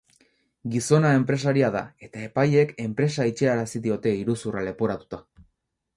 Gizona enpresaria da eta epaileek enpresa itxiarazi diote iruzurra leporatuta.